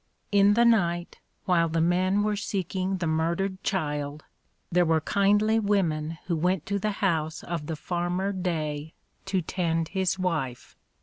In the night, while the men were seeking the murdered child, there were kindly women who went to the house of the farmer Day to tend his wife.